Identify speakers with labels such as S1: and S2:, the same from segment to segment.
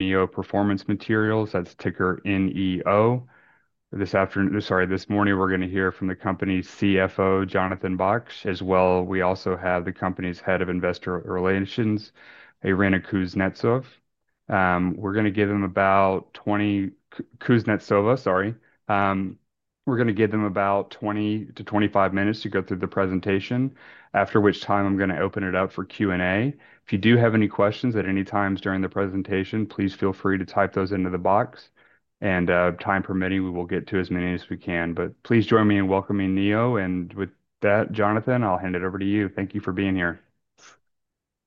S1: Neo Performance Materials, that's ticker N-E-O. This morning we're going to hear from the company's CFO, Jonathan Baksh, as well. We also have the company's Head of Investor Relations, Irina Kuznetsova. We're going to give them about 20-25 minutes to go through the presentation, after which time I'm going to open it up for Q&A. If you do have any questions at any time during the presentation, please feel free to type those into the box. Time permitting, we will get to as many as we can. Please join me in welcoming Neo, and with that, Jonathan, I'll hand it over to you. Thank you for being here.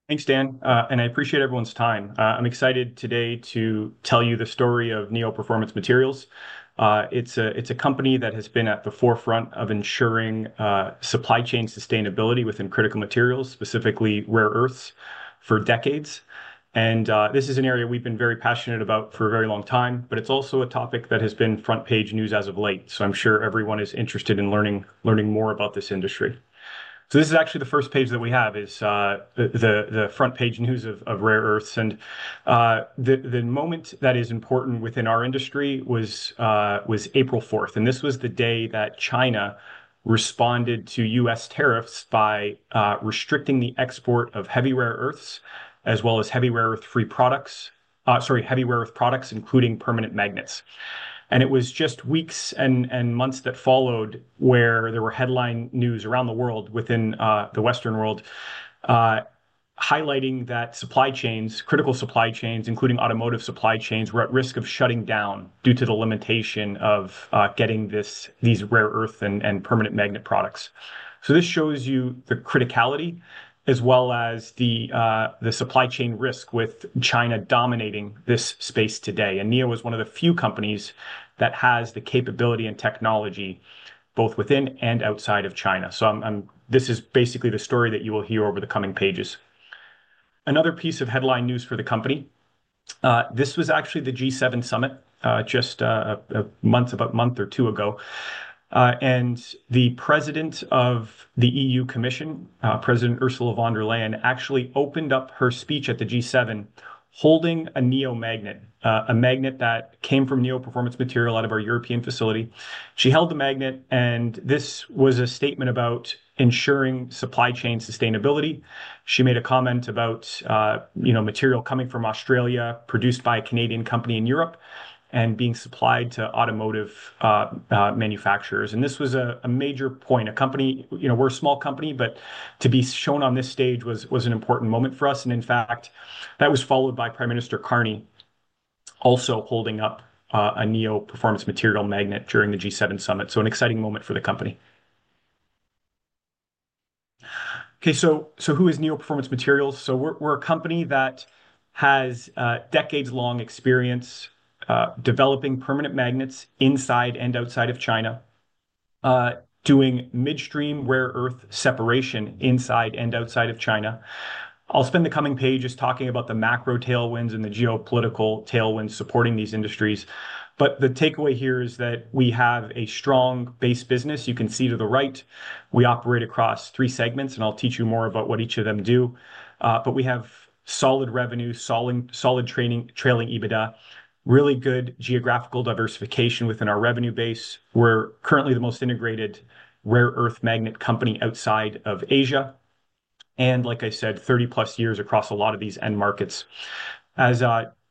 S2: Thanks, Dan, and I appreciate everyone's time. I'm excited today to tell you the story of Neo Performance Materials. It's a company that has been at the forefront of ensuring supply chain sustainability within critical materials, specifically rare earths, for decades. This is an area we've been very passionate about for a very long time, but it's also a topic that has been front-page news as of late. I'm sure everyone is interested in learning more about this industry. This is actually the first page that we have, the front-page news of rare earths. The moment that is important within our industry was April 4, and this was the day that China responded to U.S. tariffs by restricting the export of heavy rare earths, as well as heavy rare earth products, including permanent magnets. It was just weeks and months that followed where there were headline news around the world, within the Western world, highlighting that supply chains, critical supply chains, including automotive supply chains, were at risk of shutting down due to the limitation of getting these rare earth and permanent magnet products. This shows you the criticality, as well as the supply chain risk, with China dominating this space today. Neo was one of the few companies that has the capability and technology, both within and outside of China. This is basically the story that you will hear over the coming pages. Another piece of headline news for the company, this was actually the G7 summit just about a month or two ago. The President of the EU Commission, President Ursula von der Leyen, actually opened up her speech at the G7, holding a Neo magnet, a magnet that came from Neo Performance Materials out of our European facility. She held the magnet, and this was a statement about ensuring supply chain sustainability. She made a comment about material coming from Australia, produced by a Canadian company in Europe, and being supplied to automotive manufacturers. This was a major point. A company, you know, we're a small company, but to be shown on this stage was an important moment for us. In fact, that was followed by Prime Minister Carney also holding up a Neo Performance Materials magnet during the G7 summit. An exciting moment for the company. Okay, who is Neo Performance Materials? We're a company that has decades-long experience developing permanent magnets inside and outside of China, doing midstream rare earth separation inside and outside of China. I'll spend the coming pages talking about the macro tailwinds and the geopolitical tailwinds supporting these industries. The takeaway here is that we have a strong base business. You can see to the right, we operate across three segments, and I'll teach you more about what each of them do. We have solid revenue, solid trailing EBITDA, really good geographical diversification within our revenue base. We're currently the most integrated rare earth magnet company outside of Asia. Like I said, 30+ years across a lot of these end markets. As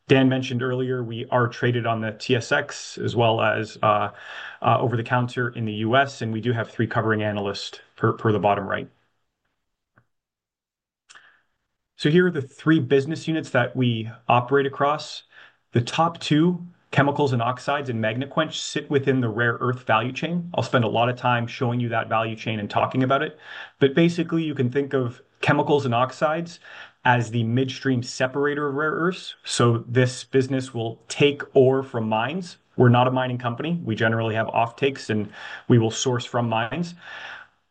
S2: Dan mentioned earlier, we are traded on the TSX as well as over the counter in the U.S., and we do have three covering analysts per the bottom right. Here are the three business units that we operate across. The top two, Chemicals & Oxides and MagneQuench, sit within the rare earth value chain. I'll spend a lot of time showing you that value chain and talking about it. Basically, you can think of Chemicals & Oxides as the midstream separator of rare earths. This business will take ore from mines. We're not a mining company. We generally have off-takes, and we will source from mines.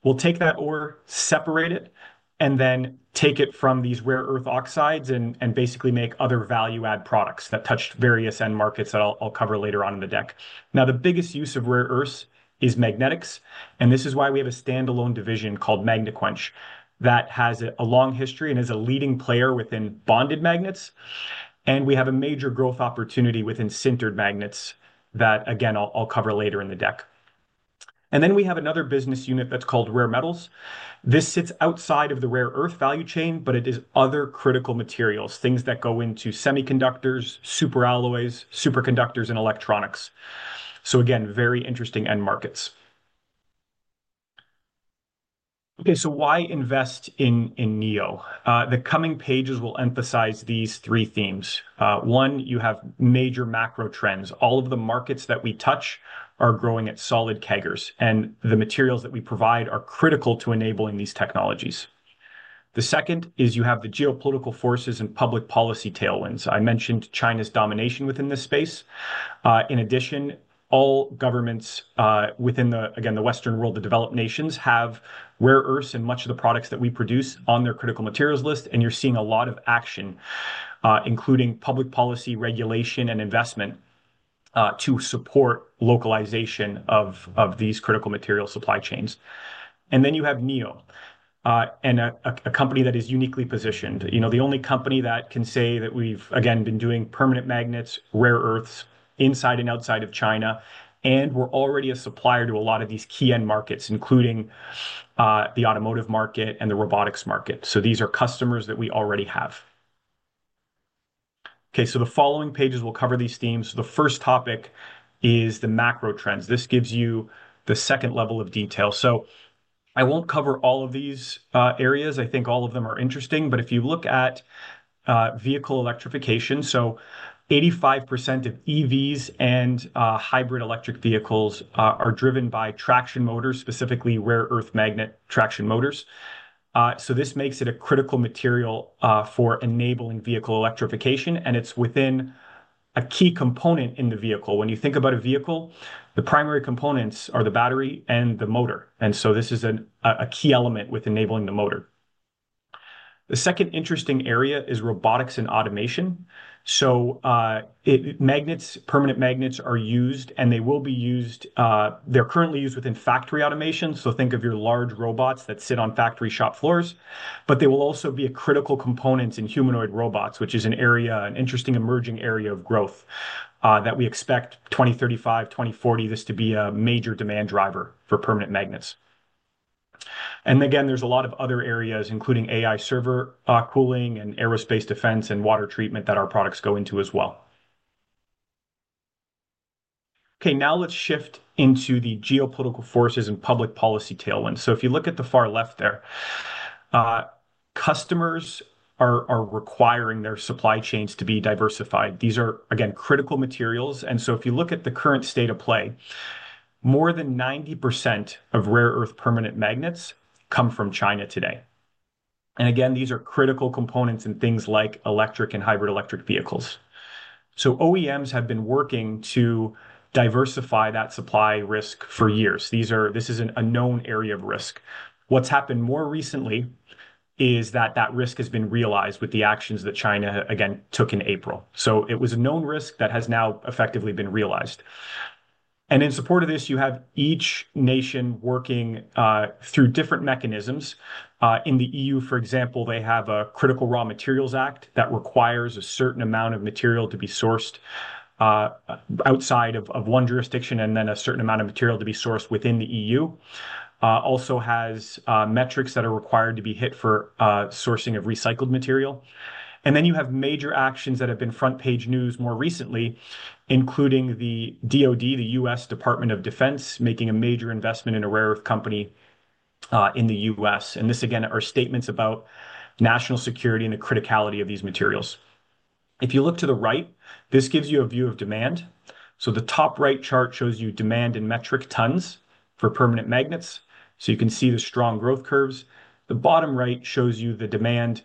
S2: We'll take that ore, separate it, and then take it from these rare earth oxides and basically make other value-add products that touch various end markets that I'll cover later on in the deck. The biggest use of rare earths is magnetics, and this is why we have a standalone division called MagneQuench that has a long history and is a leading player within bonded magnets. We have a major growth opportunity within sintered magnets that, again, I'll cover later in the deck. We have another business unit that's called Rare Metals. This sits outside of the rare earth value chain, but it is other critical materials, things that go into semiconductors, superalloys, superconductors, and electronics. Again, very interesting end markets. Why invest in Neo? The coming pages will emphasize these three themes. One, you have major macro trends. All of the markets that we touch are growing at solid CAGRs, and the materials that we provide are critical to enabling these technologies. The second is you have the geopolitical forces and public policy tailwinds. I mentioned China's domination within this space. In addition, all governments within the, again, the Western world, the developed nations, have rare earths and much of the products that we produce on their critical materials list, and you're seeing a lot of action, including public policy regulation and investment to support localization of these critical material supply chains. You have Neo, a company that is uniquely positioned. The only company that can say that we've, again, been doing permanent magnets, rare earths, inside and outside of China, and we're already a supplier to a lot of these key end markets, including the automotive market and the robotics market. These are customers that we already have. The following pages will cover these themes. The first topic is the macro trends. This gives you the second level of detail. I won't cover all of these areas. I think all of them are interesting, but if you look at vehicle electrification, 85% of EVs and hybrid electric vehicles are driven by traction motors, specifically rare earth magnet traction motors. This makes it a critical material for enabling vehicle electrification, and it's within a key component in the vehicle. When you think about a vehicle, the primary components are the battery and the motor, and this is a key element with enabling the motor. The second interesting area is robotics and automation. Magnets, permanent magnets, are used, and they will be used. They're currently used within factory automation, so think of your large robots that sit on factory shop floors, but they will also be a critical component in humanoid robots, which is an area, an interesting emerging area of growth that we expect 2035, 2040, this to be a major demand driver for permanent magnets. There are a lot of other areas, including AI server cooling and aerospace defense and water treatment that our products go into as well. Now let's shift into the geopolitical forces and public policy tailwinds. If you look at the far left there, customers are requiring their supply chains to be diversified. These are, again, critical materials, and if you look at the current state of play, more than 90% of rare earth permanent magnets come from China today. These are critical components in things like electric and hybrid electric vehicles. OEMs have been working to diversify that supply risk for years. This is a known area of risk. What's happened more recently is that that risk has been realized with the actions that China, again, took in April. It was a known risk that has now effectively been realized. In support of this, you have each nation working through different mechanisms. In the E.U., for example, they have a Critical Raw Materials Act that requires a certain amount of material to be sourced outside of one jurisdiction and then a certain amount of material to be sourced within the E.U. It also has metrics that are required to be hit for sourcing of recycled material. You have major actions that have been front-page news more recently, including the DOD, the US Department of Defense, making a major investment in a rare earth company in the U.S. These are statements about national security and the criticality of these materials. If you look to the right, this gives you a view of demand. The top right chart shows you demand in metric tons for permanent magnets. You can see the strong growth curves. The bottom right shows you the demand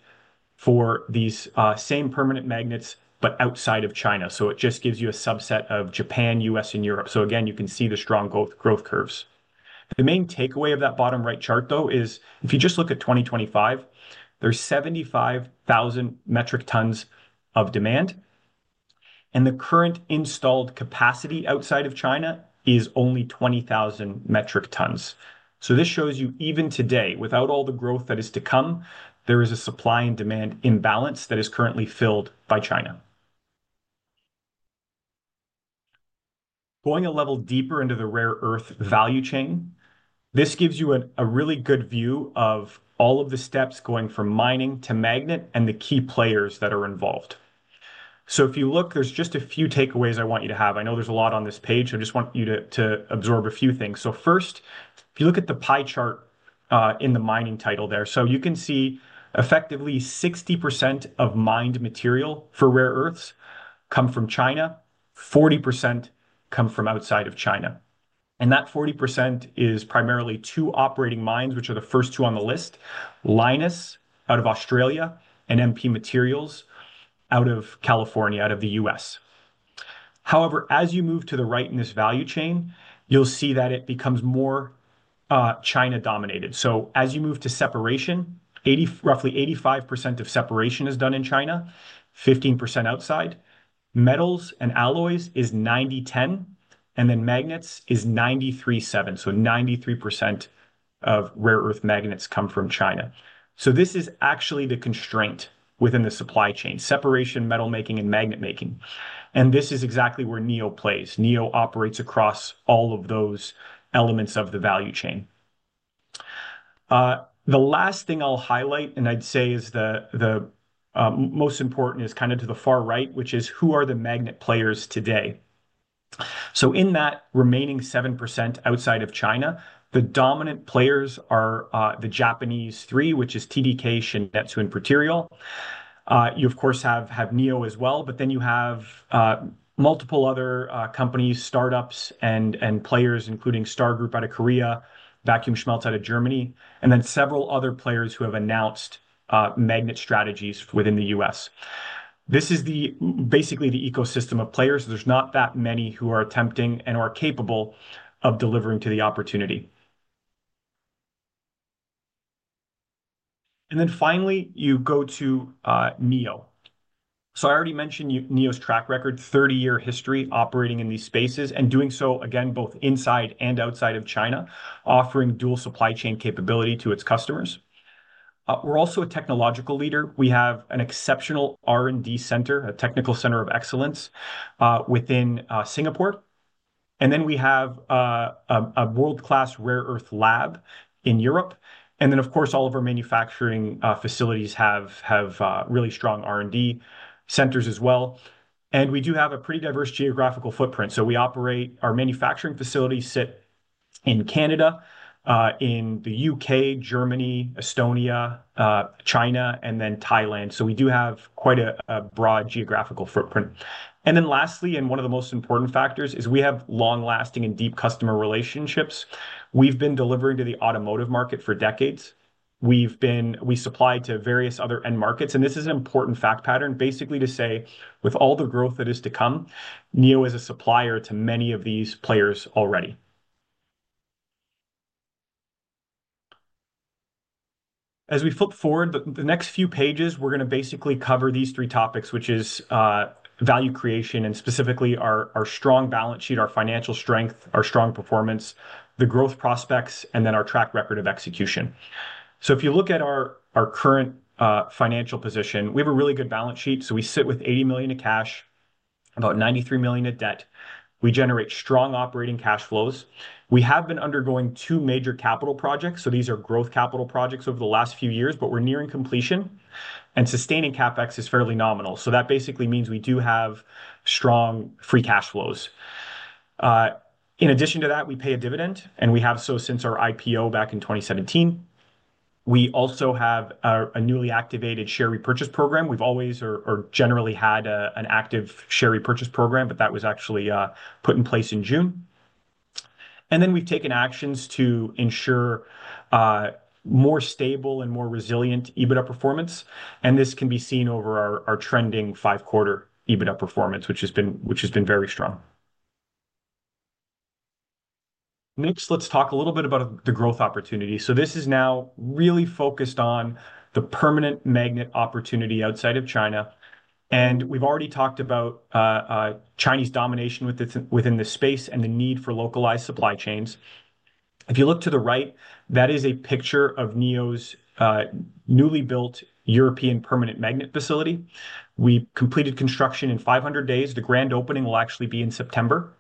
S2: for these same permanent magnets, but outside of China. It just gives you a subset of Japan, U.S., and Europe. You can see the strong growth curves. The main takeaway of that bottom right chart, though, is if you just look at 2025, there's 75,000 metric tons of demand. The current installed capacity outside of China is only 20,000 metric tons. This shows you even today, without all the growth that is to come, there is a supply and demand imbalance that is currently filled by China. Going a level deeper into the rare earth value chain, this gives you a really good view of all of the steps going from mining to magnet and the key players that are involved. If you look, there's just a few takeaways I want you to have. I know there's a lot on this page. I just want you to absorb a few things. First, if you look at the pie chart in the mining title there, you can see effectively 60% of mined material for rare earths come from China, 40% come from outside of China. That 40% is primarily two operating mines, which are the first two on the list: Linus out of Australia and MP Materials out of California, out of the U.S. However, as you move to the right in this value chain, you'll see that it becomes more China-dominated. As you move to separation, roughly 85% of separation is done in China, 15% outside. Metals and alloys is 90/10, and then magnets is 93/7. 93% of rare earth magnets come from China. This is actually the constraint within the supply chain: separation, metal making, and magnet making. This is exactly where Neo plays. Neo operates across all of those elements of the value chain. The last thing I'll highlight, and I'd say is the most important, is kind of to the far right, which is who are the magnet players today. In that remaining 7% outside of China, the dominant players are the Japanese three, which is TDK, Shin-Etsu, and Proterial. You, of course, have Neo as well, but then you have multiple other companies, startups, and players, including Star Group out of Korea, Vacuum Schmalz out of Germany, and several other players who have announced magnet strategies within the U.S. This is basically the ecosystem of players. There's not that many who are attempting and are capable of delivering to the opportunity. Finally, you go to Neo. I already mentioned Neo's track record, 30-year history operating in these spaces and doing so, again, both inside and outside of China, offering dual supply chain capability to its customers. We're also a technological leader. We have an exceptional R&D center, a technical center of excellence within Singapore. We have a world-class rare earth lab in Europe. All of our manufacturing facilities have really strong R&D centers as well. We do have a pretty diverse geographical footprint. We operate, our manufacturing facilities sit in Canada, the U.K., Germany, Estonia, China, and Thailand. We do have quite a broad geographical footprint. Lastly, and one of the most important factors, is we have long-lasting and deep customer relationships. We've been delivering to the automotive market for decades. We supply to various other end markets. This is an important fact pattern, basically to say, with all the growth that is to come, Neo is a supplier to many of these players already. As we flip forward the next few pages, we're going to basically cover these three topics, which is value creation and specifically our strong balance sheet, our financial strength, our strong performance, the growth prospects, and our track record of execution. If you look at our current financial position, we have a really good balance sheet. We sit with $80 million in cash, about $93 million in debt. We generate strong operating cash flows. We have been undergoing two major capital projects. These are growth capital projects over the last few years, but we're nearing completion. Sustaining CapEx is fairly nominal. That basically means we do have strong free cash flows. In addition to that, we pay a dividend, and we have so since our IPO back in 2017. We also have a newly activated share repurchase program. We've always or generally had an active share repurchase program, but that was actually put in place in June. We've taken actions to ensure more stable and more resilient EBITDA performance. This can be seen over our trending five-quarter EBITDA performance, which has been very strong. Next, let's talk a little bit about the growth opportunity. This is now really focused on the permanent magnet opportunity outside of China. We've already talked about Chinese domination within this space and the need for localized supply chains. If you look to the right, that is a picture of Neo's newly built European permanent magnet facility. We completed construction in 500 days. The grand opening will actually be in September.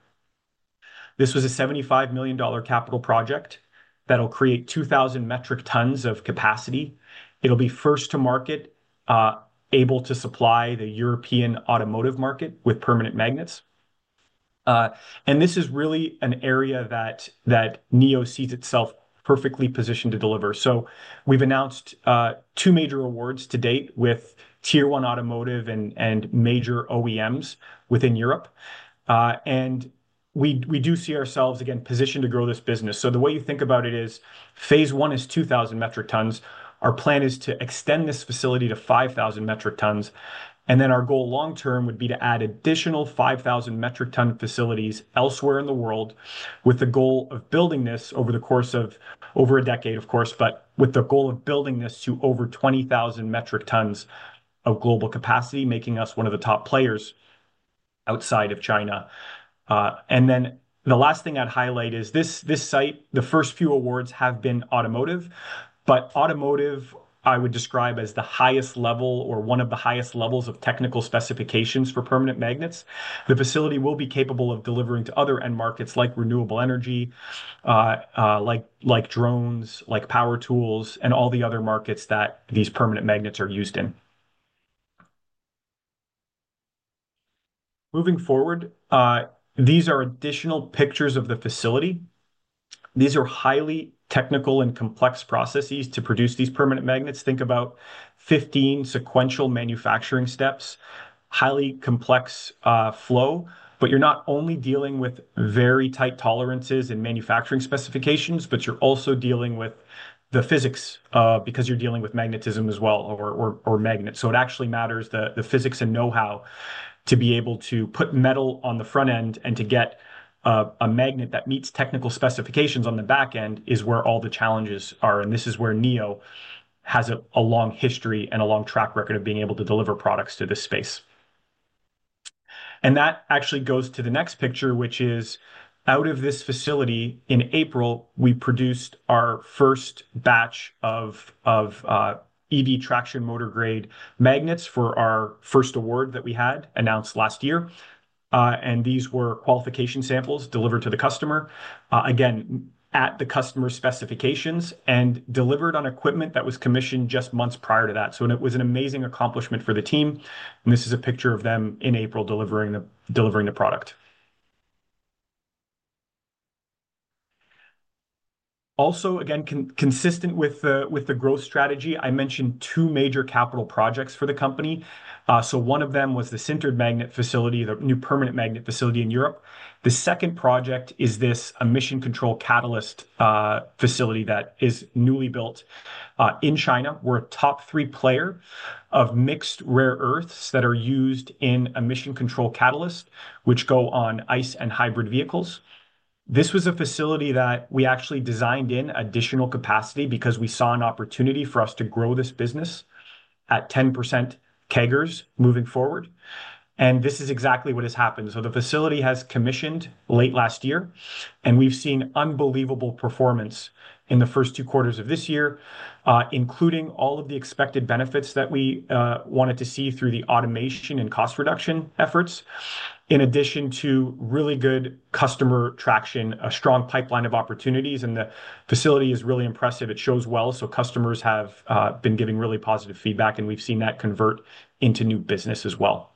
S2: This was a $75 million capital project that'll create 2,000 metric tons of capacity. It'll be first to market, able to supply the European automotive market with permanent magnets. This is really an area that Neo sees itself perfectly positioned to deliver. We've announced two major awards to date with Tier 1 automotive and major OEMs within Europe. We do see ourselves, again, positioned to grow this business. The way you think about it is Phase I is 2,000 metric tons. Our plan is to extend this facility to 5,000 metric tons. Our goal long-term would be to add additional 5,000 metric ton facilities elsewhere in the world, with the goal of building this over the course of over a decade, of course, but with the goal of building this to over 20,000 metric tons of global capacity, making us one of the top players outside of China. The last thing I'd highlight is this site, the first few awards have been automotive, but automotive, I would describe as the highest level or one of the highest levels of technical specifications for permanent magnets. The facility will be capable of delivering to other end markets like renewable energy, like drones, like power tools, and all the other markets that these permanent magnets are used in. Moving forward, these are additional pictures of the facility. These are highly technical and complex processes to produce these permanent magnets. Think about 15 sequential manufacturing steps, highly complex flow, but you're not only dealing with very tight tolerances in manufacturing specifications, but you're also dealing with the physics because you're dealing with magnetism as well, or magnets. It actually matters, the physics and know-how to be able to put metal on the front end and to get a magnet that meets technical specifications on the back end is where all the challenges are. This is where Neo has a long history and a long track record of being able to deliver products to this space. That actually goes to the next picture, which is out of this facility in April. We produced our first batch of EV traction motor grade magnets for our first award that we had announced last year. These were qualification samples delivered to the customer, again, at the customer's specifications and delivered on equipment that was commissioned just months prior to that. It was an amazing accomplishment for the team. This is a picture of them in April delivering the product. Also, again, consistent with the growth strategy, I mentioned two major capital projects for the company. One of them was the sintered magnet facility, the new European permanent magnet facility. The second project is this emissions catalyst control plant that is newly built in China. We're a top three player of mixed rare earths that are used in emissions catalyst control plants, which go on ICE and hybrid vehicles. This was a facility that we actually designed in additional capacity because we saw an opportunity for us to grow this business at 10% CAGRs moving forward. This is exactly what has happened. The facility has commissioned late last year, and we've seen unbelievable performance in the first two quarters of this year, including all of the expected benefits that we wanted to see through the automation and cost reduction efforts, in addition to really good customer traction, a strong pipeline of opportunities. The facility is really impressive. It shows well. Customers have been giving really positive feedback, and we've seen that convert into new business as well.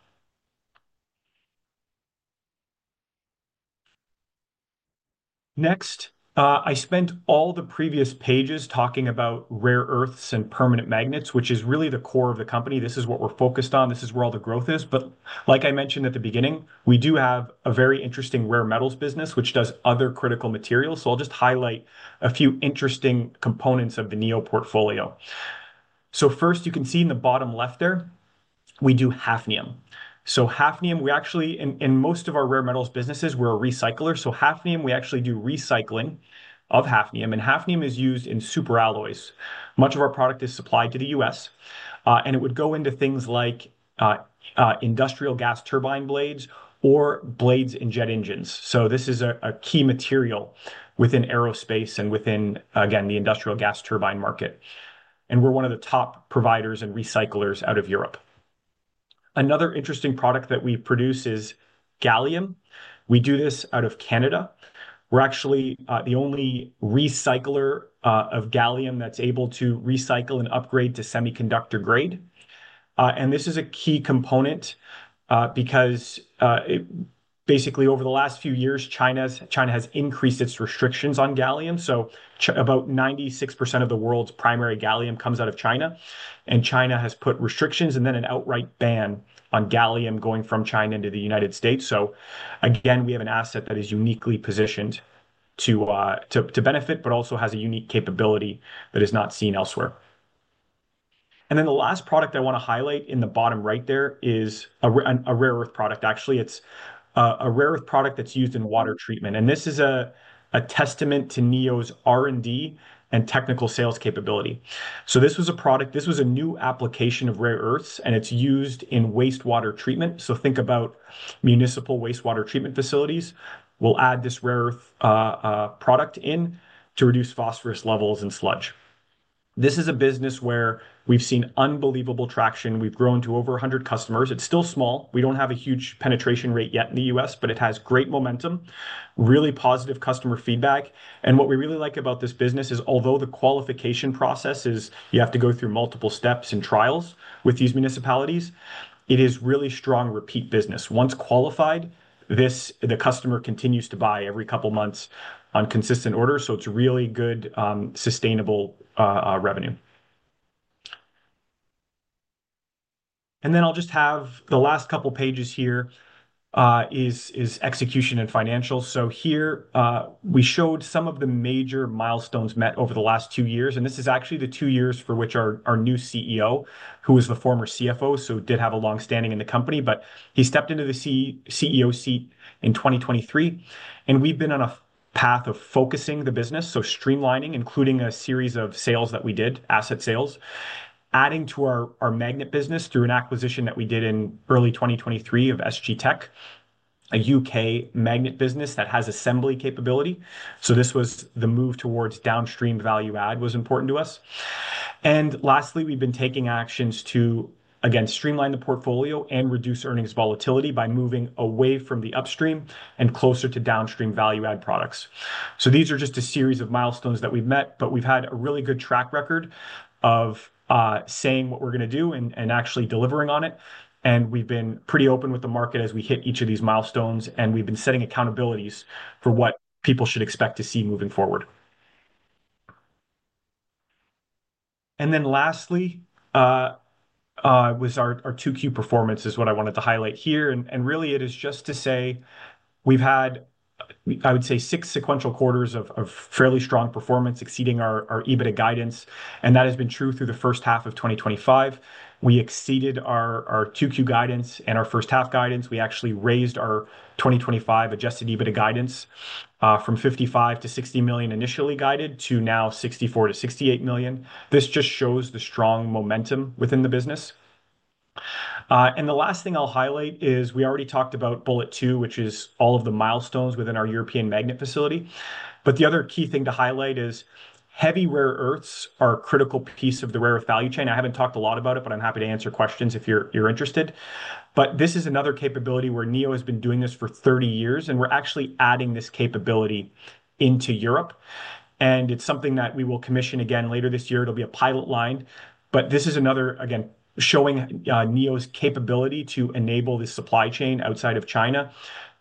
S2: Next, I spent all the previous pages talking about rare earths and permanent magnets, which is really the core of the company. This is what we're focused on. This is where all the growth is. Like I mentioned at the beginning, we do have a very interesting rare metals business, which does other critical materials. I'll just highlight a few interesting components of the Neo portfolio. First, you can see in the bottom left there, we do hafnium. In most of our rare metals businesses, we're a recycler. We actually do recycling of hafnium. Hafnium is used in superalloys. Much of our product is supplied to the U.S., and it would go into things like industrial gas turbine blades or blades in jet engines. This is a key material within aerospace and within the industrial gas turbine market. We're one of the top providers and recyclers out of Europe. Another interesting product that we produce is gallium. We do this out of Canada. We're actually the only recycler of gallium that's able to recycle and upgrade to semiconductor grade. This is a key component because basically over the last few years, China has increased its restrictions on gallium. About 96% of the world's primary gallium comes out of China, and China has put restrictions and then an outright ban on gallium going from China into the United States. We have an asset that is uniquely positioned to benefit, but also has a unique capability that is not seen elsewhere. The last product I want to highlight in the bottom right there is a rare earth product. Actually, it's a rare earth product that's used in water treatment. This is a testament to Neo's R&D and technical sales capability. This was a product, this was a new application of rare earths, and it's used in wastewater treatment. Think about municipal wastewater treatment facilities. We'll add this rare earth product in to reduce phosphorus levels and sludge. This is a business where we've seen unbelievable traction. We've grown to over 100 customers. It's still small. We don't have a huge penetration rate yet in the U.S., but it has great momentum, really positive customer feedback. What we really like about this business is although the qualification process is you have to go through multiple steps and trials with these municipalities, it is really strong repeat business. Once qualified, the customer continues to buy every couple of months on consistent orders. It's really good sustainable revenue. I'll just have the last couple of pages here is execution and financials. Here we showed some of the major milestones met over the last two years. This is actually the two years for which our new CEO, who was the former CFO, did have a long standing in the company, but he stepped into the CEO seat in 2023. We've been on a path of focusing the business, streamlining, including a series of sales that we did, asset sales, adding to our magnet business through an acquisition that we did in early 2023 of SG Tech, a U.K. magnet business that has assembly capability. This move towards downstream value add was important to us. Lastly, we've been taking actions to streamline the portfolio and reduce earnings volatility by moving away from the upstream and closer to downstream value add products. These are just a series of milestones that we've met, but we've had a really good track record of saying what we're going to do and actually delivering on it. We've been pretty open with the market as we hit each of these milestones, and we've been setting accountabilities for what people should expect to see moving forward. Lastly, our Q2 performance is what I wanted to highlight here. It is just to say we've had, I would say, six sequential quarters of fairly strong performance exceeding our EBITDA guidance. That has been true through the first half of 2025. We exceeded our Q2 guidance and our first half guidance. We actually raised our 2025 adjusted EBITDA guidance from $55 million-$60 million initially guided to now $64 million-$68 million. This just shows the strong momentum within the business. The last thing I'll highlight is we already talked about bullet two, which is all of the milestones within our European permanent magnet facility. The other key thing to highlight is heavy rare earths are a critical piece of the rare earth value chain. I haven't talked a lot about it, but I'm happy to answer questions if you're interested. This is another capability where Neo has been doing this for 30 years, and we're actually adding this capability into Europe. It's something that we will commission again later this year. It'll be a pilot line. This is another example showing Neo's capability to enable this supply chain outside of China.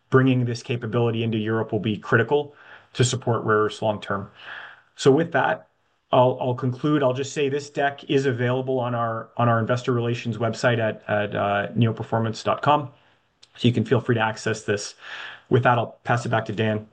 S2: Bringing this capability into Europe will be critical to support rare earths long term. With that, I'll conclude. I'll just say this deck is available on our investor relations website at neoperformance.com. You can feel free to access this. With that, I'll pass it back to Dan.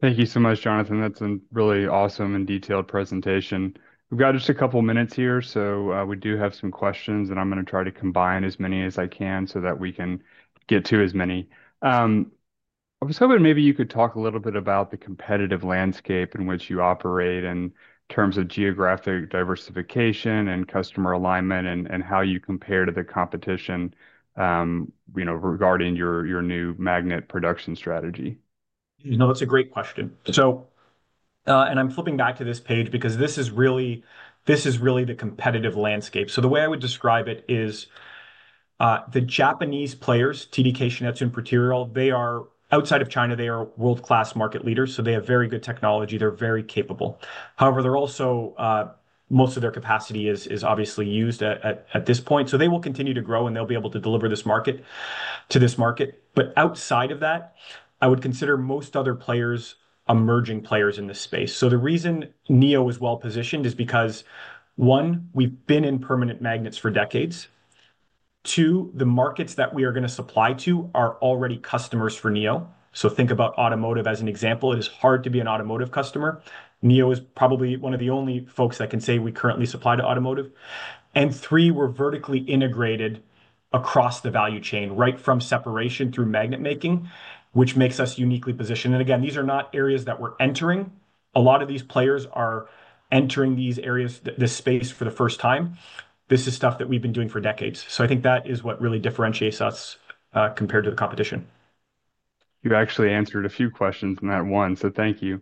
S1: Thank you so much, Jonathan. That's a really awesome and detailed presentation. We've got just a couple of minutes here, so we do have some questions, and I'm going to try to combine as many as I can so that we can get to as many. I was hoping maybe you could talk a little bit about the competitive landscape in which you operate in terms of geographic diversification and customer alignment and how you compare to the competition regarding your new magnet production strategy.
S2: You know, that's a great question. I'm flipping back to this page because this is really the competitive landscape. The way I would describe it is the Japanese players, TDK, Shin-Etsu, and Proterial, they are outside of China, they are world-class market leaders. They have very good technology. They're very capable. However, most of their capacity is obviously used at this point. They will continue to grow, and they'll be able to deliver to this market. Outside of that, I would consider most other players emerging players in this space. The reason Neo is well positioned is because, one, we've been in permanent magnets for decades. Two, the markets that we are going to supply to are already customers for Neo. Think about automotive as an example. It is hard to be an automotive customer. Neo is probably one of the only folks that can say we currently supply to automotive. Three, we're vertically integrated across the value chain, right from separation through magnet making, which makes us uniquely positioned. These are not areas that we're entering. A lot of these players are entering these areas, this space for the first time. This is stuff that we've been doing for decades. I think that is what really differentiates us compared to the competition.
S1: You've actually answered a few questions in that one, so thank you.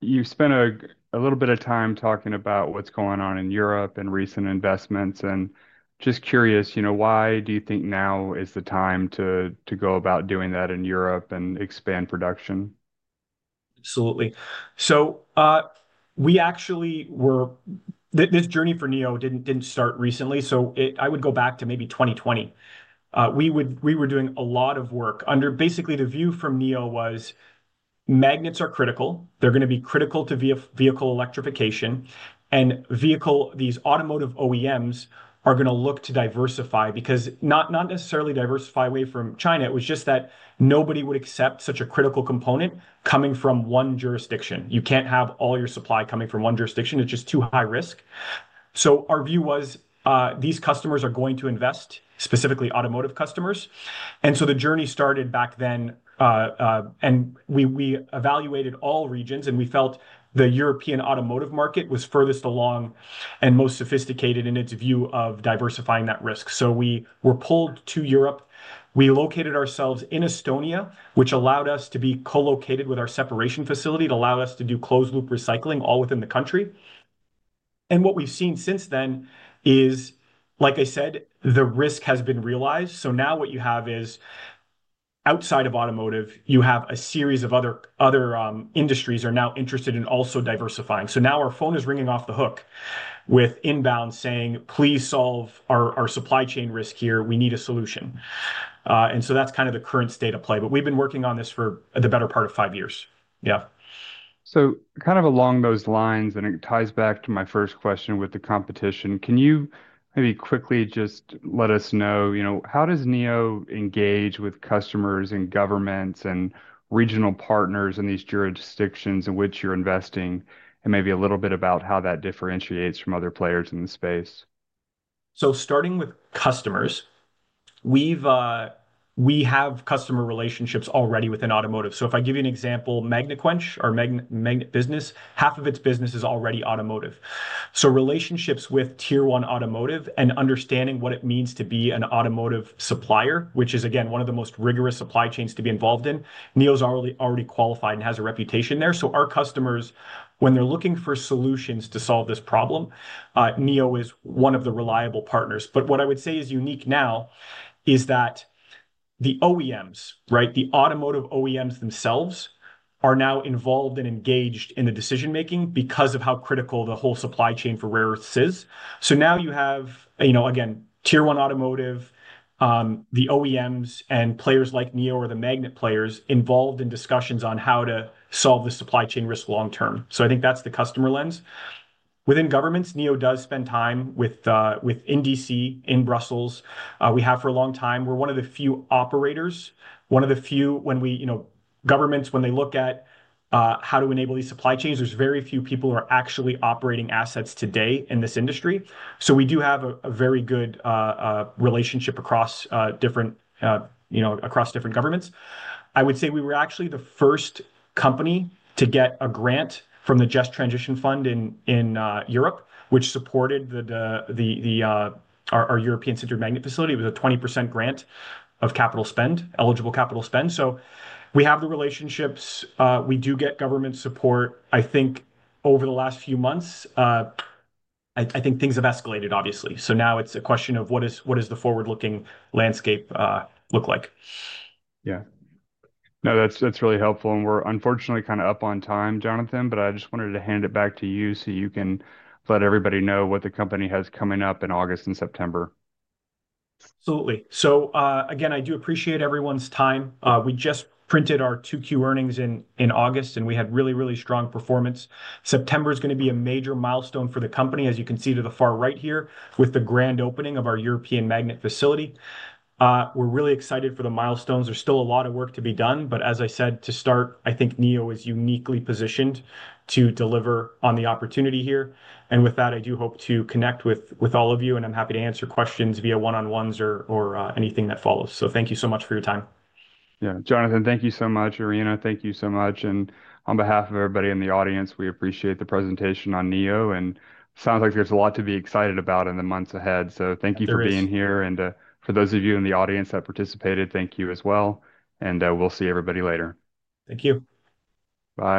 S1: You've spent a little bit of time talking about what's going on in Europe and recent investments. I'm just curious, you know, why do you think now is the time to go about doing that in Europe and expand production?
S2: Absolutely. We actually were, this journey for Neo didn't start recently. I would go back to maybe 2020. We were doing a lot of work under, basically, the view from Neo was magnets are critical. They're going to be critical to vehicle electrification. These automotive OEMs are going to look to diversify because not necessarily diversify away from China. It was just that nobody would accept such a critical component coming from one jurisdiction. You can't have all your supply coming from one jurisdiction. It's just too high risk. Our view was these customers are going to invest, specifically automotive customers. The journey started back then. We evaluated all regions, and we felt the European automotive market was furthest along and most sophisticated in its view of diversifying that risk. We were pulled to Europe. We located ourselves in Estonia, which allowed us to be co-located with our separation facility. It allowed us to do closed-loop recycling all within the country. What we've seen since then is, like I said, the risk has been realized. Now what you have is outside of automotive, you have a series of other industries that are now interested in also diversifying. Our phone is ringing off the hook with inbound saying, "Please solve our supply chain risk here. We need a solution." That's kind of the current state of play. We've been working on this for the better part of five years. Yeah.
S1: Kind of along those lines, and it ties back to my first question with the competition, can you maybe quickly just let us know, you know, how does Neo engage with customers and governments and regional partners in these jurisdictions in which you're investing? Maybe a little bit about how that differentiates from other players in the space.
S2: Starting with customers, we have customer relationships already within automotive. If I give you an example, MagneQuench, our magnet business, half of its business is already automotive. Relationships with Tier 1 automotive and understanding what it means to be an automotive supplier, which is, again, one of the most rigorous supply chains to be involved in, Neo's already qualified and has a reputation there. Our customers, when they're looking for solutions to solve this problem, Neo is one of the reliable partners. What I would say is unique now is that the OEMs, the automotive OEMs themselves, are now involved and engaged in the decision-making because of how critical the whole supply chain for rare earths is. Now you have Tier 1 automotive, the OEMs, and players like Neo or the magnet players involved in discussions on how to solve the supply chain risk long term. I think that's the customer lens. Within governments, Neo does spend time within DC, in Brussels. We have for a long time. We're one of the few operators, one of the few, when governments look at how to enable these supply chains, there's very few people who are actually operating assets today in this industry. We do have a very good relationship across different governments. I would say we were actually the first company to get a grant from the E.U. Just Transition Fund in Europe, which supported our European permanent magnet facility with a 20% grant of eligible capital spend. We have the relationships. We do get government support. I think over the last few months, things have escalated, obviously. Now it's a question of what does the forward-looking landscape look like?
S1: Yeah, no, that's really helpful. We're unfortunately kind of up on time, Jonathan, but I just wanted to hand it back to you so you can let everybody know what the company has coming up in August and September.
S2: Absolutely. I do appreciate everyone's time. We just printed our Q2 earnings in August, and we had really, really strong performance. September is going to be a major milestone for the company, as you can see to the far right here with the grand opening of our European permanent magnet facility. We're really excited for the milestones. There's still a lot of work to be done. As I said to start, I think Neo is uniquely positioned to deliver on the opportunity here. With that, I do hope to connect with all of you, and I'm happy to answer questions via one-on-ones or anything that follows. Thank you so much for your time.
S1: Yeah, Jonathan, thank you so much. Irina, thank you so much. On behalf of everybody in the audience, we appreciate the presentation on Neo, and it sounds like there's a lot to be excited about in the months ahead. Thank you for being here, and for those of you in the audience that participated, thank you as well. We'll see everybody later.
S2: Thank you.
S1: Bye.